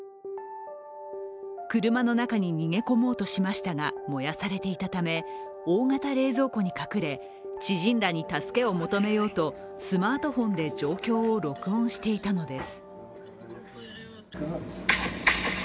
車の中に逃げ込もうとしましたが、燃やされていたため、大型冷蔵庫に隠れ知人らに助けを求めようとスマートフォンで状況を録音していたのです。